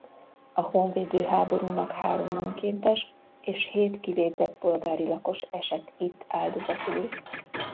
A honvédő háborúnak három önkéntes és hét kivégzett polgári lakos esett itt áldozatul.